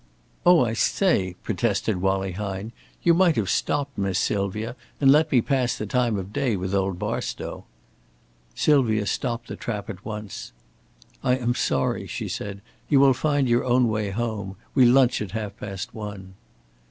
"Oh, I say," protested Wallie Hine, "you might have stopped, Miss Sylvia, and let me pass the time of day with old Barstow." Sylvia stopped the trap at once. "I am sorry," she said. "You will find your own way home. We lunch at half past one."